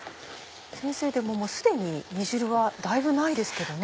先生でもすでに煮汁はだいぶないですけどね。